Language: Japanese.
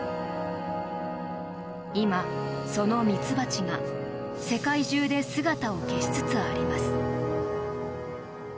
今、そのミツバチが世界中で姿を消しつつあります。